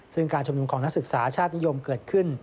ซึ่งการชุมนุมของนักศึกษาชาตินิยมเกิดขึ้น